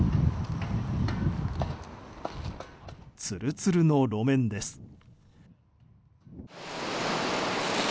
ツルツルの路面です。